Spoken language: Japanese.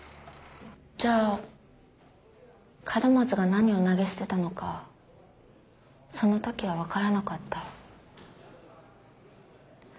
じゃあ門松が何を投げ捨てたのかそのときは分からなかった。